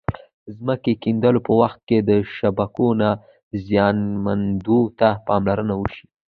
د ځمکې کیندلو په وخت کې د شبکو نه زیانمنېدو ته پاملرنه وشي.